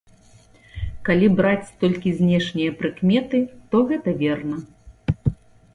Калі браць толькі знешнія прыкметы, то гэта верна.